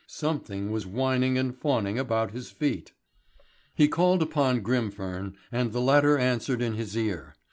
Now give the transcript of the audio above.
Something was whining and fawning about his feet. He called upon Grimfern, and the latter answered in his ear.